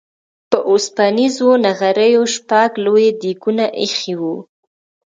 په اوسپنيزو نغريو شپږ لوی ديګونه اېښي وو.